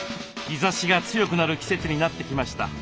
日ざしが強くなる季節になってきました。